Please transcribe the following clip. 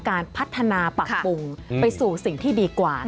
การพัฒนาปรับปรุงไปสู่สิ่งที่ดีกว่า